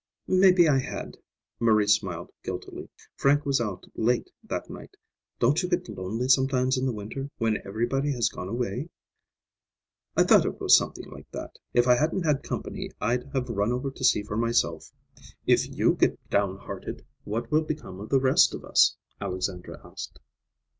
"Maybe I had," Marie smiled guiltily. "Frank was out late that night. Don't you get lonely sometimes in the winter, when everybody has gone away?" "I thought it was something like that. If I hadn't had company, I'd have run over to see for myself. If you get down hearted, what will become of the rest of us?" Alexandra asked.